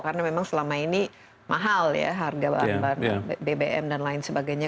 karena memang selama ini mahal ya harga bahan bahan bbm dan lain sebagainya